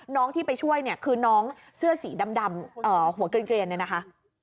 น้องที่ไปช่วยเนี่ยคือน้องเสื้อสีดำหัวเกลียนเนี่ยนะคะ